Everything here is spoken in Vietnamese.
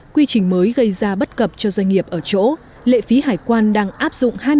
quy trình mới gây ra bất cập cho doanh nghiệp ở chỗ lệ phí hải quan đang áp dụng